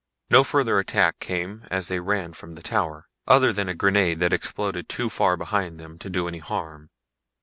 No further attack came as they ran from the tower, other than a grenade that exploded too far behind them to do any harm.